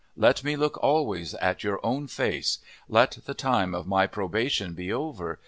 Let me look always at your own face. Let the time of my probation be over.